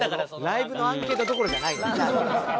ライブのアンケートどころじゃないからね。